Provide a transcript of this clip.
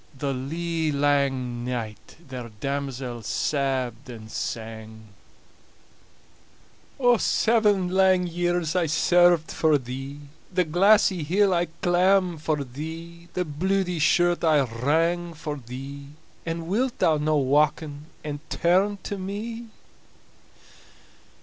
The lee lang night ther damosel sabbed and sang: "Seven lang years I served for thee, The glassy hill I clamb for thee, The bluidy shirt I wrang for thee; And wilt thou no wauken and turn to me?"